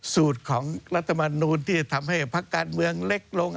สูตรของรัฐบาลนูนที่ทำให้ภาคการเมืองเล็กลง